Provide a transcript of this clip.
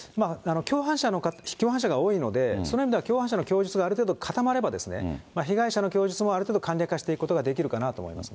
共犯者が多いので、そのへんでは共犯者の供述がある程度、固まれば、被害者の供述もある程度、慣例化していくことができるかなと。